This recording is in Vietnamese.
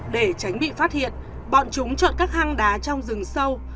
để tránh bị phát hiện bọn chúng chọn các hang đá trong rừng sâu